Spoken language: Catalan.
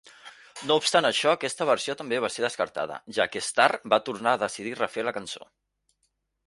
No obstant això, aquesta versió també va ser descartada, ja que Starr va tornar a decidir refer la cançó.